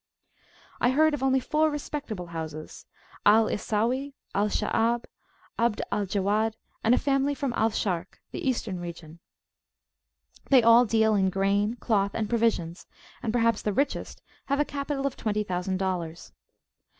I heard of only four respectable houses, Al Isawi, Al Shaab, Abd al Jawwad, and a family from Al Shark (the Eastern Region).[FN#16] They all deal in grain, cloth, and provisions, and perhaps the richest have a capital of twenty thousand dollars.